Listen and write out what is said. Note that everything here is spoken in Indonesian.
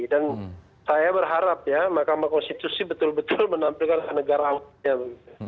dan saya berharap ya mahkamah konstitusi betul betul menampilkan negara awam